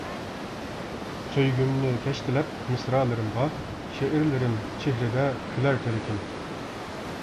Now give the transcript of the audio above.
سۆيگۈمنى كەشتىلەپ مىسرالىرىمغا، شېئىرلىرىم چېھرىدە كۈلەر تىلىكىم.